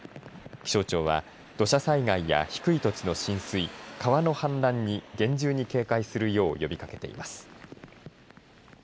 気象庁は土砂災害や低い土地の浸水、川の氾濫に厳重に警戒するよう呼びかけています。